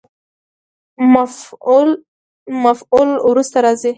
مفعول وروسته راځي.